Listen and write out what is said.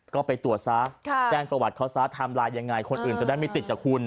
ก็ไปตรวจซะแจ้งประวัติเขาซะไทม์ไลน์ยังไงคนอื่นจะได้ไม่ติดจากคุณ